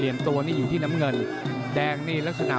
ตัวนี่อยู่ที่น้ำเงินแดงนี่ลักษณะ